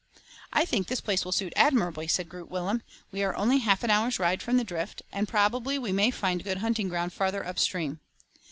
"I think this place will suit admirably," said Groot Willem. "We are only half an hour's ride from the drift, and probably we may find good hunting ground farther up stream."